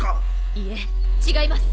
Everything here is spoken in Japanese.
いえ違います。